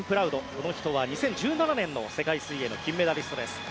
この人は２０１７年の世界水泳の金メダリストです。